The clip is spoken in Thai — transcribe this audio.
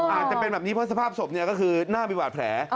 อาจจะเป็นแบบนี้เพราะสภาพศพก็คือหน้ามีบาดแผล